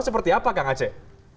seperti apa kang aceh